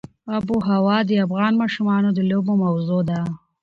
آب وهوا د افغان ماشومانو د لوبو موضوع ده.